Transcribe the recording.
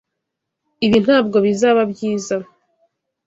Ibi ntabwo bizaba byiza.